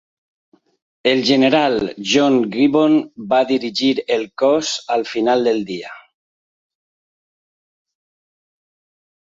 El general John Gibbon va dirigir el cos al final del dia.